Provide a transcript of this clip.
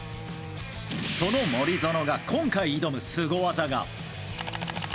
その森薗が今回挑むスゴ技が。